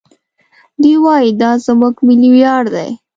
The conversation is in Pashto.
دوی وايي دا زموږ ملي ویاړ دی.